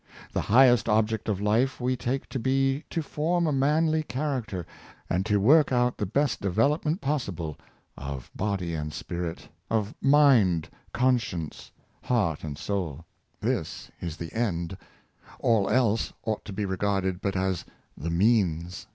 The highest object of life we take to be to form a man ly character, and to work out the best development possible, of body and spirit — of mind, conscience, heart, and soul. This is the end: all else ought to be re garded but as the means.